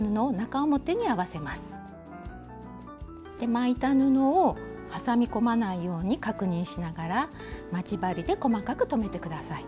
巻いた布を挟み込まないように確認しながら待ち針で細かく留めて下さい。